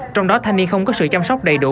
trong đó thanh niên không có sự chăm sóc đầy đủ